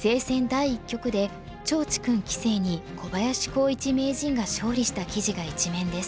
第一局で趙治勲棋聖に小林光一名人が勝利した記事が一面です。